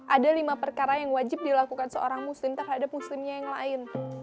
ada lima perkara yang wajib dilakukan seorang muslim terhadap muslimnya yang lain